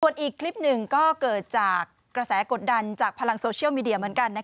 ส่วนอีกคลิปหนึ่งก็เกิดจากกระแสกดดันจากพลังโซเชียลมีเดียเหมือนกัน